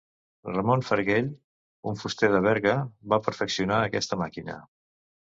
Ramon Farguell, un fuster de Berga, va perfeccionar aquesta màquina.